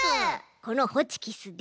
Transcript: このホチキスで。